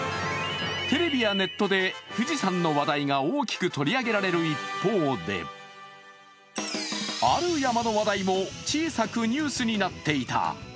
テレビやネットで富士山の話題が大きく取り上げられる一方で、ある山の話題も小さくニュースになっていた。